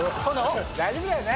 大丈夫だよね？